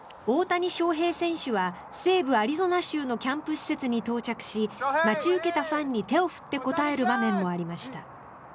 大谷翔平選手は西部アリゾナ州のキャンプ施設に到着し待ち受けたファンに、手を振って応える場面もありました。